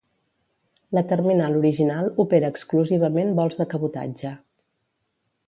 La terminal original opera exclusivament vols de cabotatge.